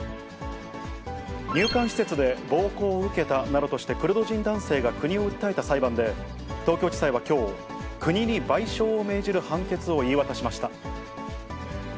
入管施設で暴行を受けたなどとしてクルド人男性が国を訴えた裁判で、東京地裁はきょう、国に賠償を命じる判決を言い渡しました。